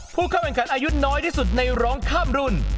ผู้เข้าแข่งขันอายุน้อยที่สุดในร้องข้ามรุ่น